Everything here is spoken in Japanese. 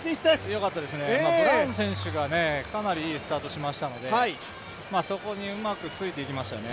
よかったですね、ブラウン選手がかなりいいスタートしましたのでそこにうまくついていきましたよね。